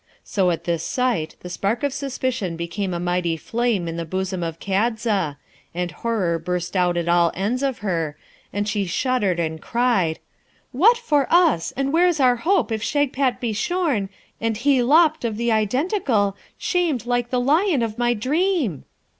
So at this sight the spark of suspicion became a mighty flame in the bosom of Kadza, and horror burst out at all ends of her, and she shuddered, and cried, 'What for us, and where's our hope if Shagpat be shorn, and he lopped of the Identical, shamed like the lion of my dream!'